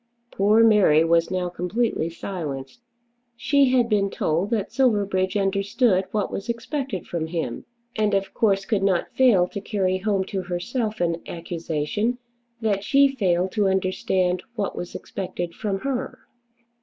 Poor Mary was now completely silenced. She had been told that Silverbridge understood what was expected from him; and of course could not fail to carry home to herself an accusation that she failed to understand what was expected from her.